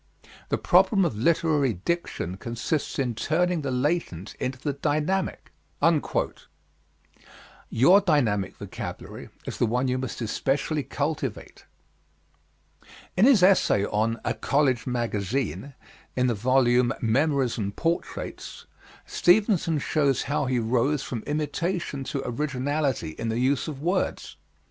The problem of literary diction consists in turning the latent into the dynamic." Your dynamic vocabulary is the one you must especially cultivate. In his essay on "A College Magazine" in the volume, Memories and Portraits, Stevenson shows how he rose from imitation to originality in the use of words.